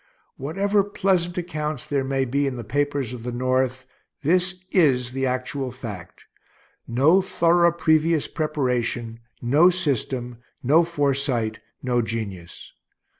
Whatever pleasant accounts there may be in the papers of the North, this is the actual fact. No thorough previous preparation, no system, no foresight, no genius.